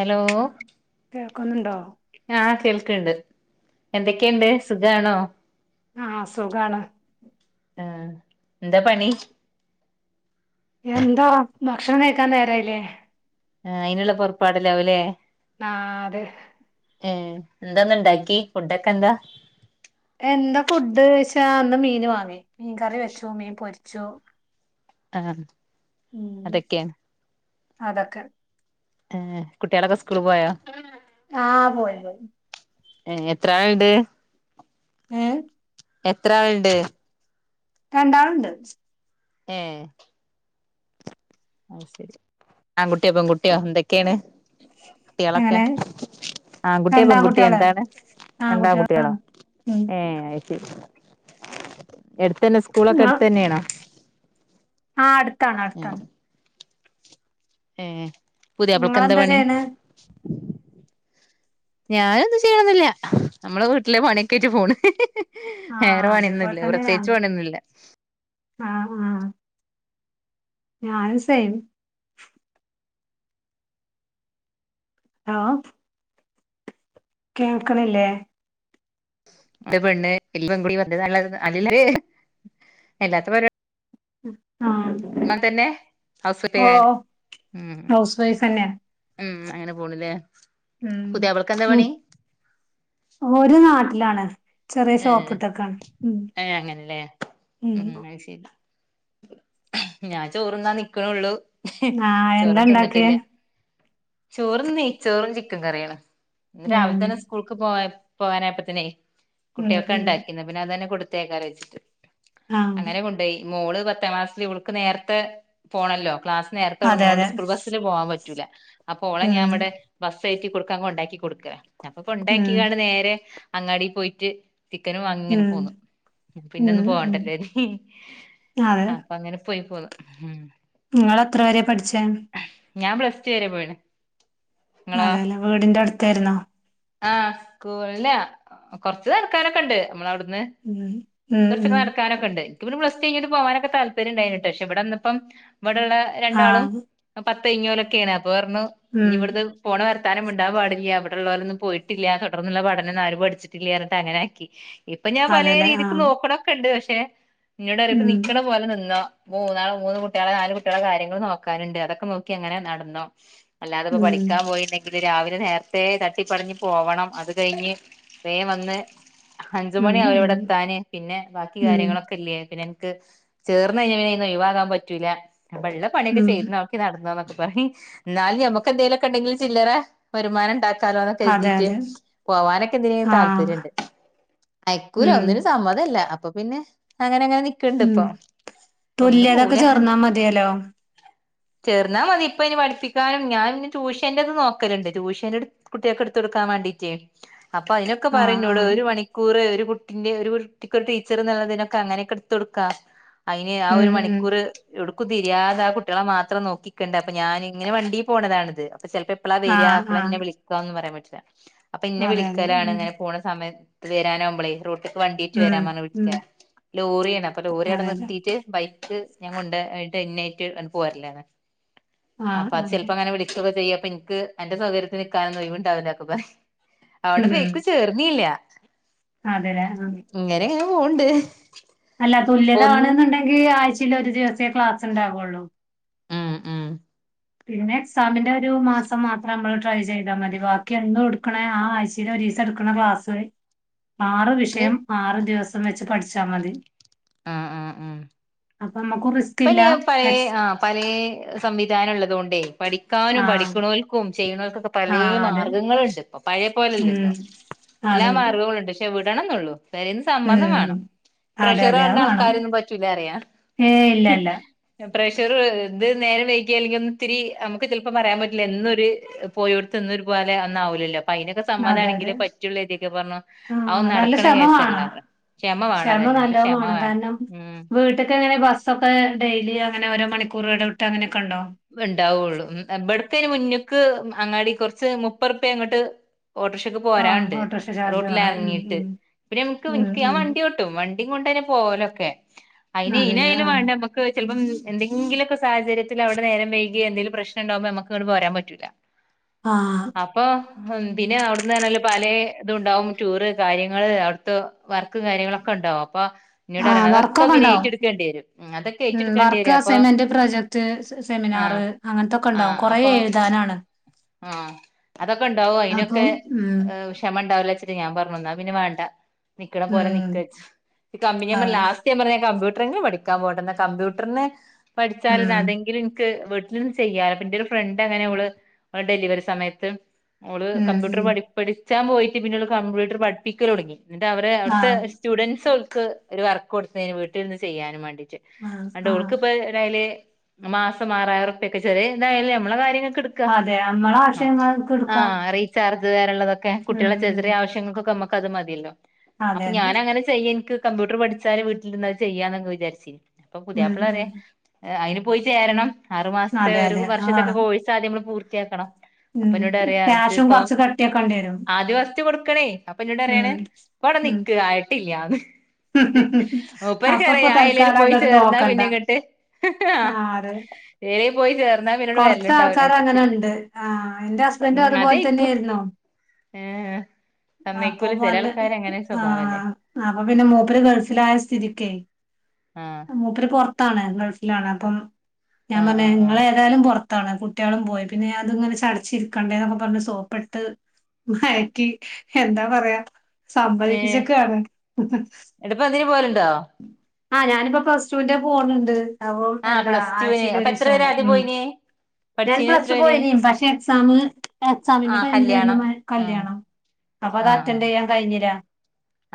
hello കേൾക്കുന്നുണ്ടോ ആ കേൾക്കണ്ട് എന്തൊക്കെയുണ്ട് സുഖമാണോ ആഹ് സുഖാണ് ആഹ് എന്താ പണി എന്താ ഭക്ഷണം കഴിക്കാൻ നേരായില്ലേ ആ അതിനുള്ള പുറപ്പാടല്ലാവും അല്ലേ ആ അതെ ഏ എന്താന്ന് ഇണ്ടാക്കി ഫുഡൊക്കെ എന്താ എന്താ ഫുഡ് ച്ചാ അന്ന് മീൻ വാങ്ങി മീൻ കറി വെച്ചു മീൻ പൊരിച്ചു ആഹ് ഉം അതക്കെ അതൊക്കെ ആഹ് കുട്ടിയ ഒളക്ക സ്കൂൾ പോയ ആഹ് പോയി പോയി ഏ എത്ര ആളുണ്ട് ആഹ് എത്ര ആളുണ്ട് രണ്ടാളുണ്ട് ഏ അ ശരി ആങ്കുട്ട്യാ പെങ്കുട്ട്യാ എന്തക്കെയാണ് കുട്ടികളൊക്കെ എങ്ങനെ ആൺകുട്ടിയാ പെൺകുട്ടിയാ രണ്ടാൺകുട്ടികള് എന്താണ് രണ്ടാങ്കുട്ടികളോ ആൺകുട്ടികളാണ് ഉം ഏ അയ് ശരി എടുത്ത് അന്നെ സ്കൂളൊക്കെ എടുത്ത് തന്നെയാണോ ആ അടുത്താണ് അടുത്താണ് ഏ പുതിയാപ്ലക്കെന്താ നിങ്ങളെന്താ പണി ചെയ്യണെ ഞാനൊന്ത് ചെയ്യണൊന്നൂല്ല നമ്മൾ വീട്ടിലെ പണിയൊക്കെ ആയിറ്റ് പോണ് ആഹ് വേറെ അതേപോലെ പണിയൊന്നൂല്ല തന്നെ പ്രത്യേകിച്ച് ഞാനും പണിയൊന്നൂല്ല ഞാൻ സെ ആപ് കേൾക്കണില്ലേ ൻ്റെ പെണ്ണേ എല്ലാത്ത പരു ന്നാ ആഹ് തന്നെ ഹൗസ് [unintelligible] ഓഹ് ഉം ഹൗസ് വൈഫ് തന്നെയാ ഉം അങ്ങനെ പോണില്ലേ ഉം പുതിയാപ്ലക്ക് എന്താ വു പണി ഒരു നാട്ടിലാണ് ചെറിയ ഏ ഷോപ്പ് ഇട്ടക്കാണ് ഉം എ അങ്ങനല്ലേ ഉം അയ് ശരി ഞാൻ ചോറുണ്ണാൻ നിക്കണുള്ളു ഇഹി ആഹ് എന്താ ചോറും ഇണ്ടാക്കിയേ തിന്നിട്ടില്ലാ ചോറും നെയ്ച്ചോറും ചിക്കൻ കറിയാണ് ഇന്ന് രാവിലെ ഉം തന്നെ സ്കൂൾക്ക് പോയ പോകാനായപ്പത്തേനെ ഉം കുട്ടിയക്ക് ഉം ഇണ്ടാക്കിന്ന് പിന്നെ അത് അന്നെ കൊടു ത്തേക്കാറ് വെച്ചിട്ട് ആഹ് അങ്ങനെ കൊണ്ടേയി മോള് പത്താംക്ലാസ്സില് ഇവൾക്ക് നേരത്തെ പോണല്ലോ ക്ലാസ് നേരത്തെ അതെ അതെ തൊടങ്ങോണ്ട് സ്കൂൾ ബസ്സില് പോകാൻ പ റ്റൂല അപ്പൊ ഓളെ ഞാൻ ഉം ഇവിടെ ബസ്സേറ്റി കൊടുക്കാം കൊണ്ടാക്കി കൊടുക്കാ അപ്പൊ കൊണ്ടാക്കി ഉം കാണ് നേരെ അങ്ങാടി പോയിറ്റ് ചിക്കനും വാങ്ങി ഇങ്ങനെ ഉം പോന്നു പിന്നെ ഒന്ന് ഉം ഉം പോവണ്ടല്ലേനീ അപ്പൊ അങ്ങനെ പോയി പോതും ഇങ്ങള് എത്ര വരെയാ പഠിച്ചെ ഞാം പ്ലസ് ടു വരെ പോയിണ് അതല്ലാ വീട്ന്റെ അടുത്താരുന്നോ ആ സ്കൂളിലാ കൊറച്ച് നടക്കാനോക്കൊണ്ട് നമ്മളവിടു ന്ന് ഉം ഉം കൊറച്ചൊക്കെ ഉം നടക്കാനൊക്കൊണ്ട് ക്ക് പിന്നെ പ്ലസ്ടു കയിഞ്ഞിട്ട് പോകാനൊക്കെ താല്പര്യം ഉണ്ടായിന്ട്ട് പക്ഷെ ഇവിടെ വന്നപ്പം ഇവിടൊള്ള രണ്ടാളും ആഹ് പ തേഞ്ഞോലൊക്കെയാണ് അപ്പൊ പറഞ്ഞു ഇനി ഉം ഇവിടുന്ന് പോണ വർത്താനം മിണ്ടാൻ പാടില്യാ ഇവിടൊള്ളോരൊന്നും പോയിട്ടില്ലാ തുടർന്നുള്ള പഠനം ഒന്നും ആരും പഠിച്ചിട്ടില്യാ എന്നിട്ട് അങ്ങനെ ആക്കി ഇപ്പൊ ഞാൻ പലേ അതെല്ലേ രീതിക്ക് ആഹ് നോക്കണൊക്കെ ഇണ്ട് പക്ഷെ നിന്നോട് അറിയിപ്പ ഉം നിക്കണ പോലെ നിന്നോ മൂന്നാ മൂന്ന് കുട്ടികളെ നാല് കുട്ടികളെ കാര്യങ്ങള് നോക്കാൻ ഇണ്ട് അതൊക്കെ നോക്കി അങ്ങനെ നടന്നോ അല്ലാതെ ഇപ്പൊ ഉം പഠിക്കാൻ പോയിരുന്നെങ്കില് രാവിലെ നേരത്തെ ത ട്ടിപ്പടിഞ്ഞു പോവണം അത് കയിഞ്ഞ് വേം വന്ന് അഞ്ച് ഉം മണി അവും ഇവ്ടെ ഉം എത്താന് പിന്നെ ബാക്കി ഉം കാര്യങ്ങളൊക്കെ ഇല്ല്യേ പിന്നെ ക്ക് ചേർന്ന് അഴിഞ്ഞാ ഒഴിവാകാൻ പറ്റൂല അപ്പ ഇള്ള പണിയൊക്കെ ഉം ചെയ്ത് നോക്ക് നടന്നോന്നക്കെ വഹീം ന്നാലും അമ്മക്കെന്തേലൊക്കെ ഉണ്ടെങ്കില് ചില്ലറ വരുമാനം ണ്ടാ കരാലോക്കെ അതെ കര്തീറ്റ് അതെ പോവാനൊക്കെ എന്തിനേം ആഹ് താല്പര്യ ഇണ്ട് അയക്കൂല ഉം ഒന്നിനും സമ്മതം ഇല്ല അപ്പൊ പിന്നെ അങ്ങനെങ്ങനെ നിക്കണ്ട് ഉം ഇപ്പൊ ഒന്നിനും തുല്യതൊക്കെ പോവൂല ചേർന്നാ മതിയല്ലോ ചെറുന്നാ മതി ഇപ്പ ഇനി പഠിപ്പിക്കാനും ഞാൻ [unintelligible] റ്യൂഷൻ്റത് നോക്കല്ണ്ട് റ്യൂഷൻ്റട് കുട്ടിയൊക്കെടുത്തു കൊടുക്കാൻ വേണ്ടീറ്റ് അപ്പൊ അയിനൊക്കെ ആഹ് പറയുന്നോട് ആഹ് ഒരു മണിക്കൂറ് ഒരു വുട്ടിന്റെ ഒരു കുർട്ടിക്കൊരു ടീച്ചർ എന്നൊള്ളതിനൊക്കെ അങ്ങനെക്കെ എടുത്ത് കൊടുക്കാം അയിന് ആ ഉം ഒരു ഉം മണിക്കൂറ് എടു ക്കുതിരിയാതെ ആ കുട്ടികളെ മാത്രം നോക്കിക്കണ്ടേ അപ്പൊ ഞാനിങ്ങനെ വണ്ടീ പോണതാണിത് ചെലപ്പ എപ്പളാ വെര്ആ ആഹ് ആഹ് എപ്പളാന്നെ വിളിക്ക്ആ ന്നും പറയാൻ പറ്റൂല്ല അപ്പൊ ഇന്നെ അതെ അതെ വിളിക്കലാണ് ഉം ഇങ്ങനെ പോണ സമയം അത് വരാനാവക്മ്പളെ റോട്ട് വണ്ടിട്ട് ഉം വരാൻ പറ ഉം വിളിചക്കാ ലോറിയാണ് അപ്പൊ ലോറി അട അതെ അതെ നിർത്തിട്ട് ബൈക്ക് ഞാൻ കൊണ്ട് എന്നിട്ട് എന്നെയിട്ട് പോരലാണ് ആഹ് അപ്പൊ അത് ആഹ് ചിലപ്പോ അങ്ങനെ വിളിക്കക്കെ ചെയ്യ പ്പഎൻക്ക് അന്റെ സൗകര്യത്തി നിൽക്കാനൊന്നും ഒയ്വുണ്ടാവില്ലക്ക പറയും അവിടെ ഉം പെക്ക് ചേർന്നീല്ല അതെല്ലേ ആ ഇങ്ങനെ പോണ്ട് അല്ല തുല്യത ഒന്ന് ആണെന്നുണ്ടെങ്കിൽ ആഴ്ചല്ല ഒരു ദിവസേ ക്ലാസ് ഉണ്ടാവുള്ളൂ ഉം ഉം പിന്നെ എക്സാമിന്റെ ഒരു മാസം മാത്രം നമ്മള് ട്രൈ ചെയ്താൽ മതി ബാക്കി എന്ന് കൊടുക്കണ ആഴ്ച്ചേലോരി ഫീസ് എടുക്കുന്ന ക്ലാസ് ആറ് വിഷയം ആറ് ദിവസം വെച്ച് പഠിച്ചാൽ മതി ആ ആ ആ അപ്പൊ നമ്മുക്ക് റിസ്ക് ഇപ്പ ഇല്ല നി പഴെ എക്സ് ആ പഴേ സംവിധാനം ഉള്ളത്കൊണ്ടേ പഠിക്കാനും ആഹ് പഠിക്കനോല്ക്കും ചെയ്യുന്നവർക്കൊക്കെ പലെ ആഹ് അതെ മാർഗങ്ങളുണ്ട് പഴയ ഉം പോലെല്ലല്ലോ എല്ലാ അതെ അതെ മാർഗങ്ങളുണ്ട് ക്ഷെവിടണം എന്നുള്ളു പേരെന്ന് സമ്മതം ഉം വേണം അതെ പ്രഷർ വരണ ആൾക്കാരൊന്നും പറ്റൂല പറയാ ഏഹ് ഇല്ല ഇല്ല പ്രഷർ ഇത് നേരം വൈകിയ അല്ലെങ്കിൽ ഒന്ന് ഇത്തിരി നമുക്ക് ചിലപ്പോ പറയാൻ പറ്റില്ല എന്നൊരു പോയോടുത്ത്ന്ന് പോലെ ഒന്നാവുലല്ലോ പ്പ അയ്നൊക്കെ അതെ അതെ സമ്മതാണെങ്കിലേ പറ്റുള്ള ഇതൊക്കെ പറഞ്ഞു ആ ആഒന്നും നല്ല നടക്കണ കേസല്ലാന്ന് ക്ഷമവേണം അത നല്ലോവേണം കാരണം വീട്ടക്കെങ്ങനെ ബസ് പ്പോക്കെ ഡെയിലി അങ്ങനെ രോ മണിക്കൂർ ഇടവിട്ട് അങ്ങനെ എണ്ടാവുള്ളു ബെടക്കേന് മുന്നക്ക് അങ്ങാടി കുറച്ച് മുപ്പറുപ്പ്യ അങ്ങോട്ട് ഓട്ടോർക്ഷക്ക് ആ പോരാന്ണ്ട് ഓട്ടോറിക്ഷ ചാർജ് വേണം ഉം റോട്ടിലെറങ്ങിട്ട് ഉം പിന്നെ നമുക്ക് ഉം എനിക്ക് ഞാൻ വണ്ടി ഉം ഒട്ടും വണ്ടിയും കൊണ്ടന് പോലക്കെ അയ്ന് അതെല്ലേ ഇനായാലും ആ വേണ്ടെ നമുക്ക് ചലപ്പം എന്തെങ്കിലൊക്കെ സാഹചര്യത്തിൽ അവി ഇവിടെ നേരം വൈകി എന്തെങ്കും പ്രശ്ന ഉണ്ടാവുമ്പോ നമുക്ക് ഇങ്ങ്ട് പോരാൻ പറ്റൂല ആ അപ്പൊ പിന്നെ അവിടുന്നാണെല് പലെ ഇത്ണ്ടാവും ടൂറ് കാര്യങ്ങള് അവിടുത്തെ വർക്ക് കാര്യങ്ങളൊക്കെ ഒന് ണ്ടോ പ്പാ ആഎ വർക്കൊക്കെ ഉണ്ടോ ഉം, അതൊക്കെ ഉം ഏറ്റെടുക്കേണ്ടി വർക്ക് വരും അപ്പൊ അസൈൻമെന്റ് പ്രോജക്ട് സ്സ് സെമിനാർ ആഹ് അങ്ങനത്തൊക്കെ ഉണ്ടാവും ആഹ് കുറെ അപ്പൊ എഴുതാനാണ് ആഹ് അതൊക്കെ ഉണ്ടാവും അതിനൊക്കെ അപ്പം ഉം ഷമ ഉണ്ടാവല്ലെച് ത്തിരി ഞാൻ പറഞ്ഞ ന്നാ വേണ്ട നിക്കണ പോലെ ഉം നിക്ക് ഈ കമ്പനി നമ്പർ അതെ ലാസ്റ്റ് ഞാൻ പറഞ് കംമ്പ്യൂട ടർന് പഠിക്കാൻ പോടണ്ട എന്ന കമ്പ്യൂട്ടറിന് ഉം പഠിച്ചാലല് അതെങ്കിലും ത് വീട്ടിൽന്ന് ചെയ്യാല പിന്റെ ഒരു ഫ്രണ്ട് അങ്ങനെ ഓള് ഡെലിവറി സമയത്ത് ഓള് ഉം കമ്പ്യൂട്ടർ ഉം പടി പഠിച്ചാൻ പോയിട്ട് പിന്നെള് കമ്പ്യൂട്ടർ പഠിപ്പിക്കല് തുടങ്ങി എന്നിട്ട് അവര് ആ അവിടുത്തെ സ്റ്റുഡൻസ് ഓൾക്ക് ഒരു വർക്ക് കൊടുത്തുന്നതിന് വീട്ടിലിരുന്ന് ചെയ്യാനും വേണ്ടി ച്ച് ആ അതുകൊണ്ട് ആ ഓള്ക്ക് ഇപ്പോ ഏതായല് മാസം ആറായിറോപ്പിയൊക്കെ ചെറിയ എന്തായാലും നമ്മളെ കാര്യങ്ങ അതെ ആഹ് ആഹ് ആഹ് റീചാർജ് തരള്ളതൊക്കെ ഉം കുട്ടികളെ ചെറിയ ഉം ചെറിയ ആവശ്യങ്ങൾക്കൊക്കെ നമക് ക്ക് അത് മതിയല്ലോ അതെ അപ്പൊ അതെ ഞാൻ അങ്ങനെ ചെയ്യ എനിക്ക് കമ്പ്യൂട്ടർ പഠിച്ചാല് വീട്ടിലിരുന്നത് ചെയ്യാ വിചാരിച്ചി അപ്പൊ ഉം പുതിയാപ്പള ഉം പറയാ അയ്ന് പോയി ചേരണം ആറു മാസത്തെ അതെ ഒരു അതെ വർഷത്തൊക്കെ അതാണ് കോഴ്‌സ് ആദ്യം നമ്മൾ പൂർത്തിയാക്കണം അപ്പൊ ഉം എന്നോട് പറയാ ക്യാഷും ജ്പ്പം കൊറച്ച് കട്ടിയാക്കേണ്ടി വരും ആദ്യ വസ് ട്ട് കൊടുക്കണേ അപ്പൊ എന്നോട് പറയേണ് ഉം പ്പവിടെ നിക്ക് ആയിട്ടില്ല്യാന്ന് അപ്പപ്പൊ എയിലേലും തൽക്കാലം പോയി ചേർന്നാ അതെട്തോക്കണ്ട പിന്നെ ഇങ്ങട്ട് ആഹ് അത ദേ പോയി ചേർ ന്നാ പിന്നോട് വരല്ണ്ടാവിലച്ചിട്ട് അങ്ങനെ ഉണ്ട് ആ എന്റെ ഹസ്ബൻഡും ഉം അതുപോലെ അതയ്ക്കൂ തന്നെയായിരുന്നു ഏഹ് അപ്പൊ സമ്മയ്ക്കൂല ചെല വന്ന ആൾക്കാര് അങ്ങനെ സ്വഭാവല്ലേ ആഹ് അപ്പൊ പിന്നെ മൂപ്പര് ഗൾഫിലായ സ്ഥിതിക്കേ ആഹ് മൂപ്പര് പുൊറത്താണ് ഗൾഫിലാണ് അപ്പം ഞാൻ ആഹ് പറഞ്ഞ് ആഹ് ആഹ് നിങ്ങളെ പുറത്താണ് കുട്ടികളും പോയി പിന്നെ അത് ഇങ്ങനെ ചടച്ചിരിക്കണ്ടേ എന്നൊക്കെ പറഞ്ഞഞ് സോപ്പിട്ട് മയക്കി എന്താ പറയാ ഏഹ് സമ്മേയ്പ്പിച്ചക്കാണ് എടപ്പ അതിന് പോവലുണ്ടോ ആ ഞാനിപ്പോ പ്ലസ് ടുവിന്റെ പോണണ്ട് ആ പ്ലസ്ട്ടുവിന് അപ്പൊ എത്ര വെരെ ആദ്യം ഉം പോയിനേ ഞാൻ പ്ലസ്ടു പോയനിം പക്ഷെ എക്സാമ് എക്സാമിന്റെ ആഹ് കല്യാണം ടൈമിലാണ് ആഹ് കല്യാണം അപ്പൊ അത് അറ്റൻഡ് ചെയ്യാൻ കഴിഞ്ഞില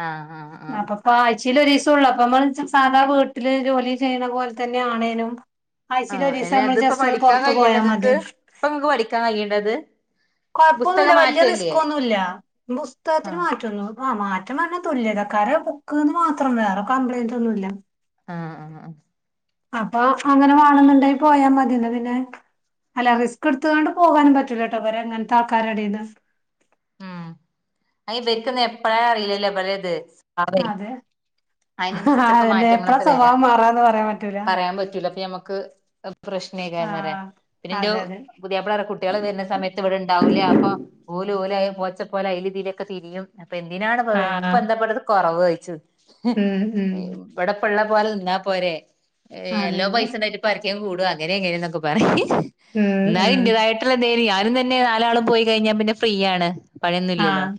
ആ ആ ആ ആയിച്ചിലൊരു ദിവസം ഉള്ളൂ അപ്പം സാധാ വീട്ടില് ജോലി ചെയ്യുന്ന പോലെ തന്നെ ആണേനും ആഹ് ആയിച്ചിലൊരിസം അല്ല നമ്മൾ അതിപ്പോ ജസ് പഠിക്കാൻ കഴിയ്ണ്ടോ നിങ്ങൾക്ക് ഇപ്പം നിങ്ങൾക്ക് പഠിക്കാൻ കഴിയേണ്ടോ അത് കൊഴപ്പൊന്നുമില്ല പുസ്തകം വല്ല്യ മാറ്റല്ലേ റിസ്കൊന്നുല്ല പുസ്തകത്തിന് ആഹ് മാറ്റന്നു ആ മാ മാറ്റം പറഞ്ഞാ തുല്യതക്കാരെ ബുക്ക്ന്ന് മാത്രം വേറെ കംപ്ലയ്ന്റ് ഒന്നുമില്ല ആ ആ ആ അപ്പൊ അങ്ങനെ വാണന്നുണ്ടാങ്കിൽ പോയാ മതിയല്ലോ പിന്നെ അല്ല റിസ്ക് എടുത്തത് കൊണ്ട് പോകാനും പറ്റൂലട്ടോ ഇവരെ എങ്ങനത്തെ ആൾക്കാരെ എടീന് ഉം ഇപർക്ക് എപ്പഴാ അറിയില്ലല്ലോ ഇപരേത് ആ അതെ ആ അതെന്നെ എപ്പഴാ മാറ്റങ്ങളൊക്കെ വരാ സ്വഭാവം മാറാന്ന് പറയാൻ പറ്റൂരാ നമുക്ക് പ്രശ്നയ്കാരം ന്നറിയാ പിന്നോ ൻ്റൊഔ അതെ അതെ പുതിയാപ്പിള പറയാ കുട്ടികൾ വരുന്ന സമയത്ത് ഇവിടെ ഉണ്ടാവൂല്ല അപ്പൊ ഓലുംഓല് പോച്ചപോലെ അയ്ലിം ഇതിലൊക്കെ തിരിയും അപ്പൊ എന്തിനാണ് നിനക്ക് ആഹ് എന്തിനാണിവിടെ കുറവ് ചോഴ്ച്ചു ഉം ഉം ഇവിടെപ്പള്ള പോലെ നിന്നാ പോരെ അതെ നല്ലോം അതെ പൈസ ണ്ടായിട്ട് പര കൂടും അങ്ങനെ ഇങ്ങനന്നൊക്കെ പറിം ഉം എന്നാലും ഉം ഇന്റേതായിട്ടുള്ള എന്തും ഇൻക്കും തന്നെ നാളും പോയി കഴിഞ്ഞാ പിന്നെ ഫ്രീ ആണ് പണിയൊന്നല്ലോ ആഹ്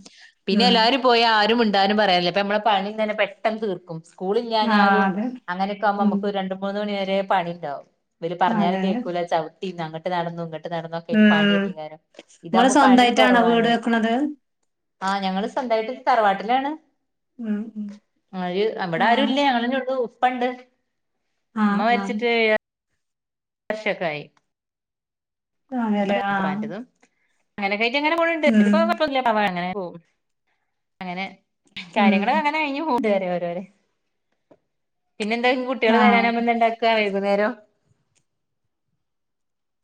പിന്നെ ഉം എല്ലാവും പോയാൽ ആരും മിണ്ടാ വർത്താനം പറയാനില്ല അപ്പൊ നമ്മളെ പണിം തന്നെ പെട്ടന്ന് തീർക്കും ആഹ് സ്കൂളില്ലാഞ്ഞാലും അതെ അങ്ങനെയൊക്കെ ആകുമ്പോ ഉം നമുക്ക് രണ്ടു മൂന്ന് മണി വരെ പണിണ്ടാവും ഇവര് പറഞ്ഞാലും അതെ അതെ കേൾക്കൂല ചവിട്ടി അങ്ങട്ട് നടന്നു ഇങ്ങട്ട് ന നടന്നതൊക്കെ ഉം പണില്ലേക്കാരം ഇങ്ങള് ഇതാവുമ്പോ പണിം സ്വന്തായിട്ടാണോ വീട് കുറവാണ് വെക്കണത് ആ ഞങ്ങള് സ്വന്തായിട്ട് തറവാട്ടിലാണ് ഉം ഉം അ അവിടെ ആരും ആഹ് ഇല്ല ഞങ്ങളെന്നുള്ളു ഉപ്പ ഉണ്ട് ഉമ്മ ആഹ് ആഹ് മരിച്ചിട്ട് എ വർഷക്കായി ഇത് വാങ്ങല്ലേ ആ അങ്ങനെ ക്കാഴിട്ട് അങ്ങനെ പോണണ്ട് ഇപ്പം കൊയപോന്നുല്ല അങ്ങനെ പോകും അങ്ങനെ ഉം കാര്യങ്ങള് അങ്ങനെ കഴിഞ്ഞ് പൊക്ണ്ട് ഓരോരേ പിന്നെ എന്തയ്ക്കും കുട്ടികൾ ആഹ് വരാനാവുബോ എന്താ ഉണ്ടാക്കുക വൈകുന്നേരം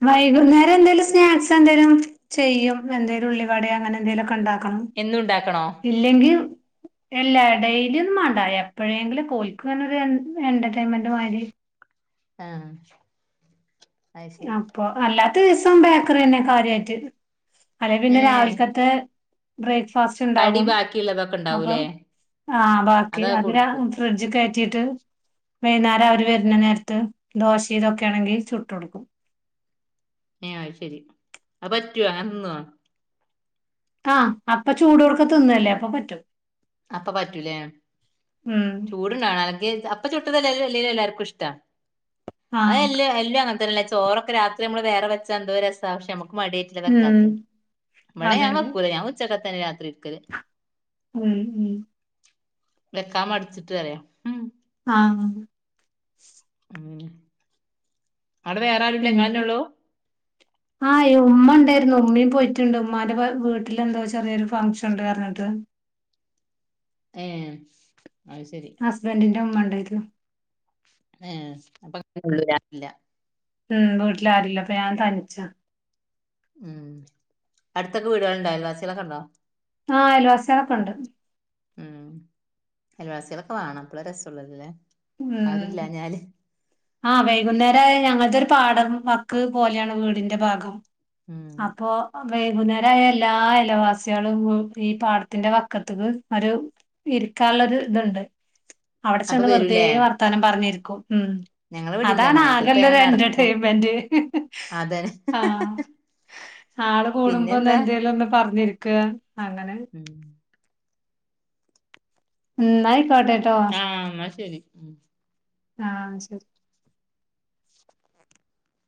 വൈകുന്നേരം എന്തേലും സ്നാക്സ് എന്തേിലും ചെയ്യും എന്തേലും ഉള്ളിവട അങ്ങനെ എന്തേലും ഒക്കെ ഉണ്ടോ എന്നും ഉണ്ടാക്കണോ ഇല്ലെങ്കിൽ ഇല്ലാതെയും കിളിന്നു മാണ്ട എപ്പോഴെങ്കിലും ഓല്ക്ക് എന്റർടൈമന്റ് മാതിരി ആ അപ്പൊ അല്ലാത്ത ദിവസം ബേക്കറി തന്നെ കാര്യായിട്ട് അല്ലെ പിന്നെ ഏഹ് രാവിലക്കത്തെ ബ്രേക്ക്ഫാസ്റ്റ് കടി ഉണ്ടാവും ബാക്കിയുള്ളതൊക്കെ അപ്പം ഉണ്ടാവൂലേ ആ ബാക്കി അതാ അത് കൊടുക്കും ഫ്രിഡ്ജ് കയറ്റീട്ട് വൈകുന്നേരം അവർ വരുന്ന നേരത്ത് ദോശ ഇ്തൊക്കെ ആണെങ്കിൽ ചുട്ട് കൊടുക്കും ഏ അത് ശെരി അത് പറ്റോ അത് തിന്നോ ആ അപ്പൊ ചൂടൊട്ക്കെ തിന്നല്ലേ അപ്പൊ പറ്റും അപ്പം പറ്റൂലേ ഉം ചൂടാണ്ടാവണം അല്ലങ്കിൽ അപ്പം ചു [unintelligible] എല്ലാവർക്കും ഇഷ്ട്ടാ ആഹ് അത്എല്ല് എല്ലാം ചോറൊക്കെ രാത്രി നമ്മൾ വേറെ വെച്ച എന്തോ രസ പക്ഷെ നമുക്ക് മടിയായിട്ടല്ലേ ഉം വെക്കാത്ത ഇവടെ അതെ ഞാൻ അതെ വെക്കൂല ഞാൻ ഉച്ചക്കത്ത തന്നെ രാത്രി ഇട്ക്കല് ഉം ഉം വെക്കാൻ മടിച്ചിട്ട് ആ അങ്ങനെ പിന്നെ ആ ഉമ്മണ്ട് ഉമ്മയും പോയിട്ടുണ്ട് ഉമ്മാന്റെ വീട്ടിൽന്തോ ചെറിയൊരു ഫംഗ്ഷൻ ഉണ്ട് പറഞ്ഞിട്ട് [inaudible] ഏ അത് ശരി ഹസ്ബന്റിന്റെ ഉമ്മ ഉണ്ടേർന്നു ഏ അപ്പൊ [unintelligible] ഉം വീട്ടില ആരുല്ല അപ്പൊ ഞാൻ തനിച്ച ഉം അടുത്തൊക്കെ വീടുകള്ണ്ടാ അയൽവാസികളൊക്കെ ഉണ്ടോ ആ അയൽവാസികളൊക്കെ ഇണ്ട് ഉം അയൽവാസികളൊക്കെ വേണം അപ്പളെ രസം ഉള്ളൂലെ ആരുല്ലാഞ്ഞാല് ആ വൈകുന്നേരം ആയാൽ ഞങ്ങളത് ഒരു പാടം വക്ക് പോലെയാണ് വീടിന്റെ ഭാഗം ഉം അപ്പൊ വൈകുന്നേരായ എല്ലാ അയൽവാസ്യോളും ഈ പാടത്തിന്റെ വക്കത്തക്ക് ഒരു ഇരി ഇരിക്കാനുള്ള ഒരു ഇതുണ്ട് അവിടെ അപ്പൊ ചെന്ന് വെറുതെ വരൂലേ വർത്താനം പറഞ്ഞിരിക്കും ഞങ്ങളെ ഇവിടെണ്ട് അതാണ് അങ്ങനെ ചിലപ്പോ ഞങ്ങൾ ആകെള്ളൊരു നടക്കും എന്റർടൈൻമെന്റ് അതന്നെ ആഹ് ആള് കൂടുമ്പോ ഒന്ന് പിന്നെന്താ എന്തേലും ഒന്ന് പറഞ്ഞിരിക്ക അങ്ങനെ ഉം എന്നായി ആഹ് എന്നാ ശരി ആ ശരി